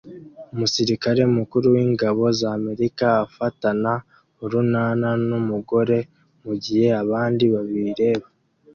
Umusirikare mukuru w’ingabo z’Amerika afatana urunana n’umugore mugihe abandi babireba